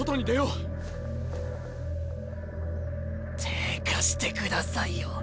手ぇ貸してくださいよ